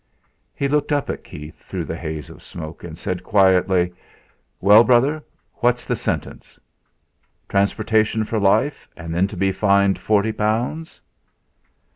He looked up at Keith through the haze of smoke and said quietly: "Well, brother, what's the sentence? 'Transportation for life, and then to be fined forty pounds?'.